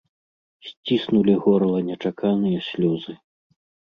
Сціснулі горла нечаканыя слёзы.